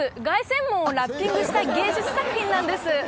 凱旋門をラッピングした芸術作品なんです